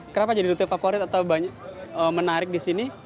kenapa jadi rute favorit atau menarik di sini